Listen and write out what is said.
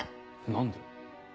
何で？